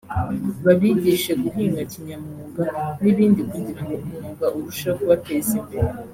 babigishe guhinga kinyamwuga n’ibindi kugira ngo umwuga urusheho kubateza imbere